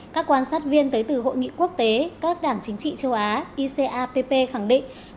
các quan sát viên tới từ hội nghị quốc tế các đảng chính trị châu á icapp khẳng định